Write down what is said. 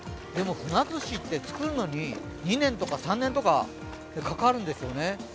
でも、フナずしって作るのに２年とか、３年とかかかるんですよね。